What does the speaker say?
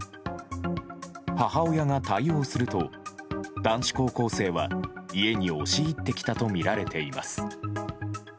母親が対応すると、男子高校生は家に押し入ってきたとみられています。